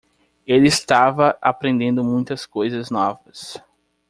Ele estava aprendendo muitas coisas novas.